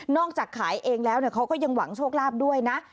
จากขายเองแล้วเขาก็ยังหวังโชคลาภด้วยนะ